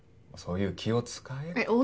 そういう気を使えって。